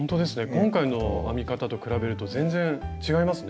今回の編み方と比べると全然違いますね。